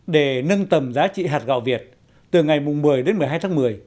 để nâng tầm giá trị hạt gạo việt từ ngày một mươi đến một mươi hai tháng một mươi